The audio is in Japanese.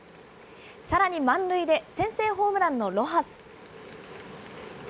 さらに満塁で先制ホームランのロハス。